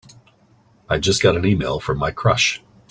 I just got an e-mail from my crush!